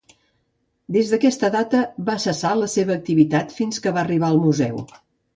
Des d’aquesta data va cessar la seva activitat fins que va arribar al Museu.